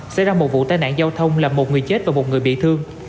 xảy ra một vụ tai nạn giao thông làm một người chết và một người bị thương